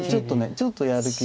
ちょっとやる気。